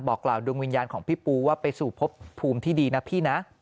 กล่าวดวงวิญญาณของพี่ปูว่าไปสู่พบภูมิที่ดีนะพี่นะ